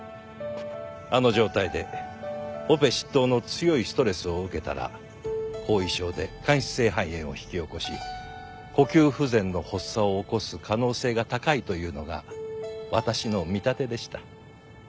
あの状態でオペ執刀の強いストレスを受けたら後遺症で間質性肺炎を引き起こし呼吸不全の発作を起こす可能性が高いというのが私の見立てでした。